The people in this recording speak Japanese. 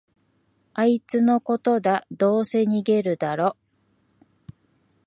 あいつのことだ、どうせ逃げるだろ